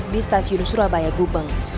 di stasiun surabaya gubeng